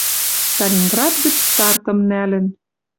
Сталинград гӹц стартым нӓлӹн